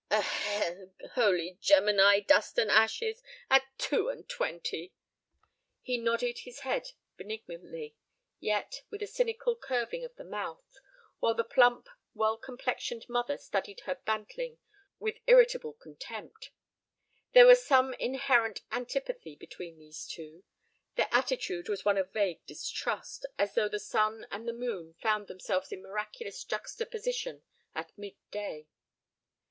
"Eheu, holy Gemini, dust and ashes—at two and twenty!" He nodded his head benignantly, yet with a cynical curving of the mouth, while the plump, well complexioned mother studied her bantling with irritable contempt. There was some inherent antipathy between these two. Their attitude was one of vague distrust, as though the sun and the moon found themselves in miraculous juxtaposition at mid day.